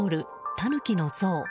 タヌキの像。